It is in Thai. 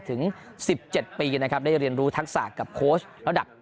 ถึง๑๗ปีนะครับได้เรียนรู้ทักษะกับโค้ชระดับ